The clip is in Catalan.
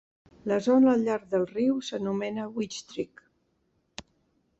La zona al llarg del riu s'anomena Vechtstreek.